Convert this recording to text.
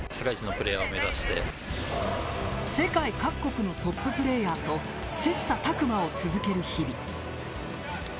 世界各国のトッププレーヤーと切磋琢磨を続ける日々。